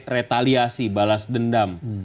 retaliasi balas dendam